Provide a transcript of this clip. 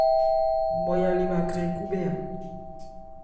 Nmɔya le bha krɛn khúbhɛ́ a.